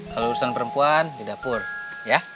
kalau urusan perempuan di dapur ya